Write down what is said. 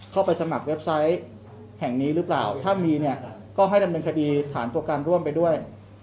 เข้าไปสมัครเว็บไซต์แห่งนี้หรือเปล่าถ้ามีเนี่ยก็ให้ดำเนินคดีฐานตัวการร่วมไปด้วย